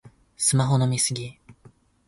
スマホの見過ぎ